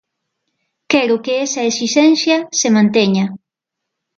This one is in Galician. Quero que esa exixencia se manteña.